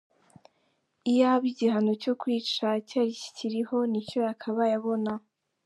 Iyaba igihano cyo kwica cyari kikiriho nicyo yakabaye abona.